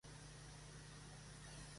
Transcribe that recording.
Regni Veg.".